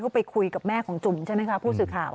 ก็ไปคุยกับแม่ของจุ่มใช่ไหมคะผู้สื่อข่าว